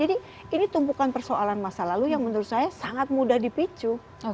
jadi ini tumpukan persoalan masa lalu yang menurut saya sangat mudah dipicu